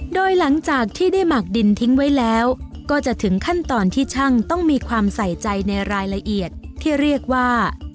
โดยหลังจากที่ได้หมักดินทิ้งไว้แล้วก็จะถึงขั้นตอนที่ช่างต้องมีความใส่ใจในรายละเอียดที่เรียกว่า